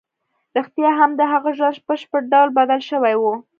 رښتيا هم د هغه ژوند بشپړ بدل شوی و.